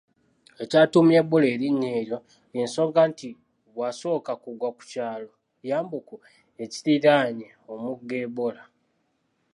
Ekyatuumya Ebola erinnya eryo y'ensonga nti bwasooka kugwa ku kyalo Yambuku ekiriraanye omugga Ebola